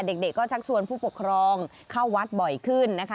เด็กก็ชักชวนผู้ปกครองเข้าวัดบ่อยขึ้นนะคะ